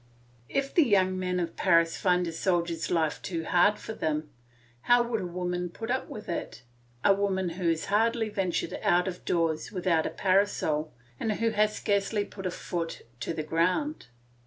If the young men of Paris find a soldier's life too hard for them, how would a woman put up with it, a woman who has hardly ventured out of doors without a parasol and who has scarcely put a foot to the ground?